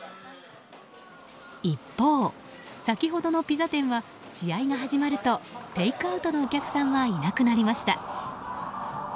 一方、先ほどのピザ店は試合が始まるとテイクアウトのお客さんはいなくなりました。